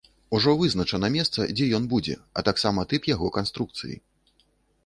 Ужо вызначана месца, дзе ён будзе, а таксама тып яго канструкцыі.